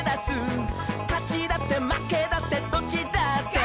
「かちだってまけだってどっちだって」